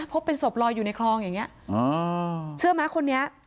พบเป็นศพลอยอยู่ในคลองอย่างเงี้เชื่อไหมคนนี้